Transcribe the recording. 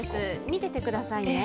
見ててくださいね。